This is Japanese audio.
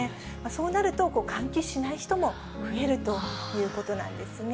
そうなると、換気しない人も増えるということなんですね。